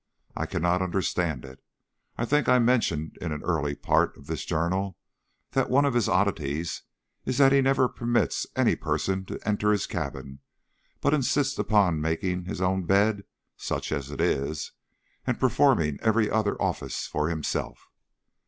I cannot understand it. I think I mentioned in an early part of this journal that one of his oddities is that he never permits any person to enter his cabin, but insists upon making his own bed, such as it is, and performing every other office for himself.